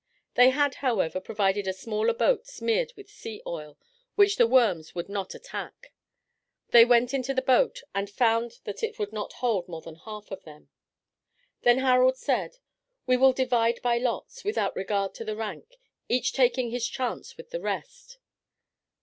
They had, however, provided a smaller boat smeared with sea oil, which the worms would not attack. They went into the boat, but found that it would not hold more than half of them all. Then Harald said, "We will divide by lots, without regard to the rank; each taking his chance with the rest."